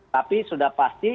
tapi sudah pasti